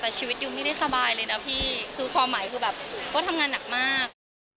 แต่ชีวิตยูไม่ได้สบายเลยนะพี่คือความหมายคือแบบว่าทำงานหนักมาก